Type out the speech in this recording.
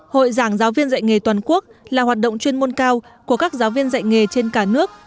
hội giảng giáo viên dạy nghề toàn quốc là hoạt động chuyên môn cao của các giáo viên dạy nghề trên cả nước